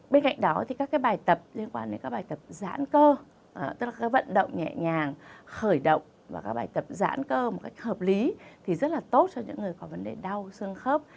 bên cạnh đó thì các cái bài tập liên quan đến các bài tập giãn cơ tức là các vận động nhẹ nhàng khởi động và các bài tập giãn cơ một cách hợp lý thì rất là tốt cho những người có vấn đề đau xương khớp